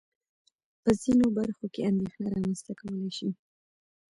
په ځينو برخو کې اندېښنه رامنځته کولای شي.